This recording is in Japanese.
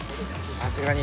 さすがに。